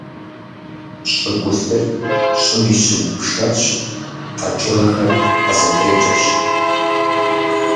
ЩӀыгулъыр - щӀым и щыгу пшэрщ, къэкӀыгъэхэр къызытекӀэщ.